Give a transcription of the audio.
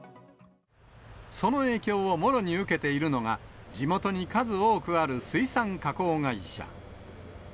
その影響をもろに受けているのが、地元に数多くある水産加工会社。